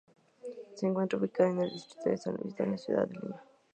Se encuentra ubicada en el Distrito de San Luis, en la ciudad de Lima.